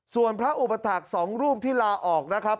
ส่วนพระอุปถักษ์๒รูปที่ลาออกนะครับ